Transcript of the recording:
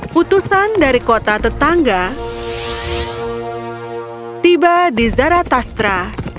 putusan dari kota tetangga tiba di zaratastra